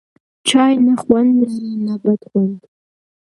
چای، نه خوند لري نه بد خوند